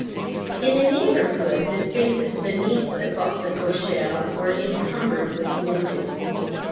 In the neighborhood, the spaces beneath the portes cochères were encumbered with wounded.